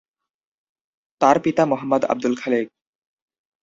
তার পিতা মো: আব্দুল খালেক।